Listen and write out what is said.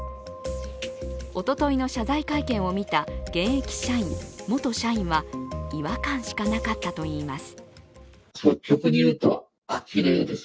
おとといの謝罪会見を見た現役社員、元社員は違和感しかなかったといいます。